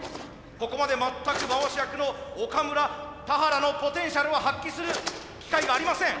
ここまで全く回し役の岡村田原のポテンシャルを発揮する機会がありません！